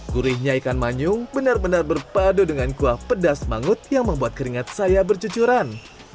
gurihnya ikan manyung benar benar berpadu dengan kuah pedas mangut yang membuat keringat saya bercucuran